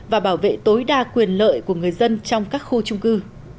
và bảo vệ tối đa quyền lợi của người dân trong các khu trung cư